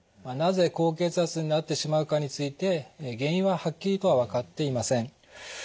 なぜ高血圧になってしまうかについて原因ははっきりとは分かっていません。